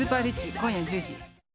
今夜１０時。